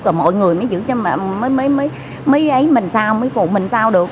rồi mọi người mới giữ cho mấy ấy mình sao mấy phụ mình sao được